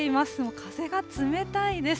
風が冷たいです。